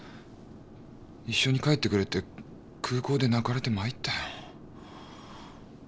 「一緒に帰ってくれ」って空港で泣かれてまいったよ。